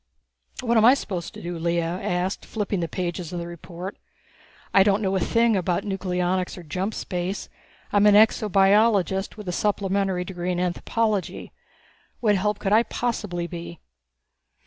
"What am I supposed to do?" Lea asked, flipping the pages of the report. "I don't know a thing about nucleonics or jump space. I'm an exobiologist, with a supplementary degree in anthropology. What help could I possibly be?"